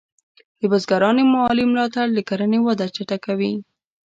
د بزګرانو مالي ملاتړ د کرنې وده چټکه کوي.